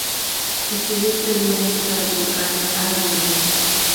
Estudió teoría musical con Carl Arnold.